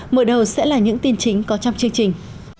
mở đầu sẽ là những tin chính có trong chương trình